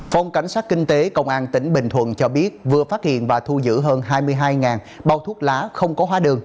phòng cảnh sát kinh tế công an tỉnh bình thuận cho biết vừa phát hiện và thu giữ hơn hai mươi hai bao thuốc lá không có hóa đường